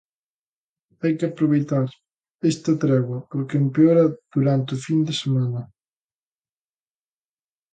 Hai que aproveitar esta tregua porque empeora durante a fin de semana.